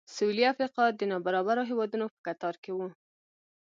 سوېلي افریقا د نابرابرو هېوادونو په کتار کې و.